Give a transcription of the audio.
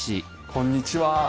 こんにちは。